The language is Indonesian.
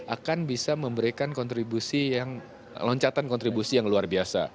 akan bisa memberikan kontribusi yang loncatan kontribusi yang luar biasa